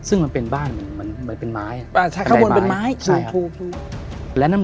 อืม